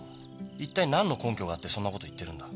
一体何の根拠があってそんなこと言ってるんだ？